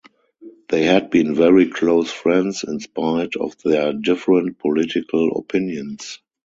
They had been very close friends in spite of their different political opinions.